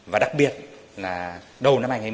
và đặc biệt là đầu năm hai nghìn một mươi chín